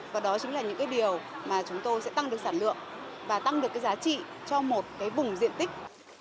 và đó chính là những điều mà chúng tôi sẽ tăng được sản lượng và tăng được giá trị cho một vùng diện tích